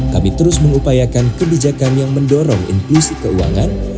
kami terus mengupayakan kebijakan yang mendorong inklusi keuangan